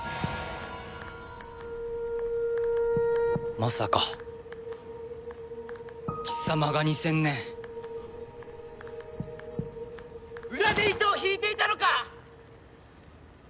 まさか貴様が２０００年裏で糸を引いていたのか！？